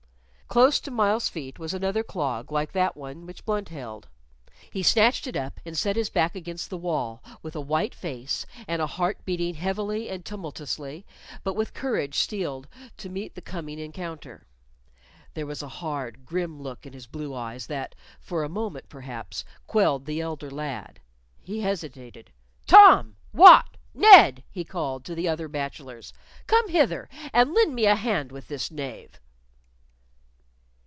Close to Myles's feet was another clog like that one which Blunt held. He snatched it up, and set his back against the wall, with a white face and a heart beating heavily and tumultuously, but with courage steeled to meet the coming encounter. There was a hard, grim look in his blue eyes that, for a moment perhaps, quelled the elder lad. He hesitated. "Tom! Wat! Ned!" he called to the other bachelors, "come hither, and lend me a hand with this knave."